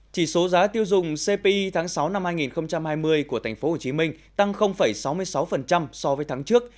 chỉ số giá tiêu dùng cpi tháng sáu năm hai nghìn hai mươi của tp hcm tăng sáu mươi sáu so với tháng trước